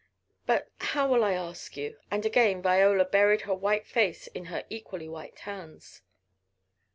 But how will I ask you?" and again Viola buried her white face in her equally white hands.